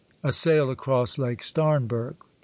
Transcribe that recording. A SAIL ACROSS LAKE STARNBERG.